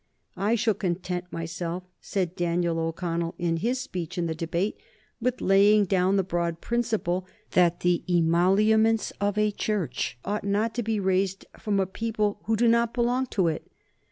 "I shall content myself," said Daniel O'Connell in his speech in the debate, "with laying down the broad principle that the emoluments of a Church ought not to be raised from a people who do not belong to it.